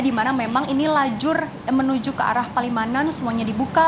di mana memang ini lajur menuju ke arah palimanan semuanya dibuka